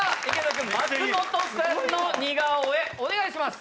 松本さんの似顔絵お願いします。